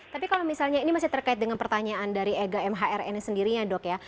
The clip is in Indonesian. tapi kalau misalnya ini masih terkait dengan pertanyaan dari ega mhrn sendirinya dok ya